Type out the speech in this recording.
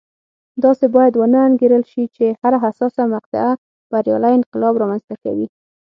داسې باید ونه انګېرل شي چې هره حساسه مقطعه بریالی انقلاب رامنځته کوي.